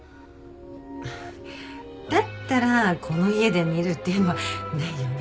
だったらこの家で見るっていうのはないよね。